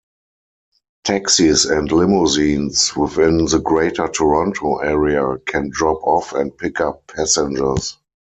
Taxis and limousines within the Greater Toronto Area can drop off and pickup passengers.